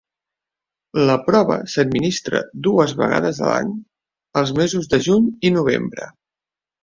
La prova s'administra dues vegades a l'any els mesos de juny i novembre.